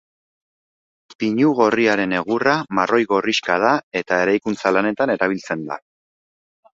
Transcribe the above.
Pinu gorriaren egurra marroi-gorrixka da eta eraikuntza lanetan erabiltzen da.